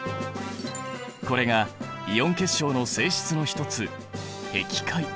これがイオン結晶の性質の一つへき開。